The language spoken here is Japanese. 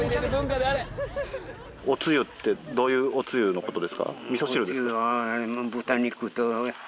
おつゆってどういうおつゆの事ですか？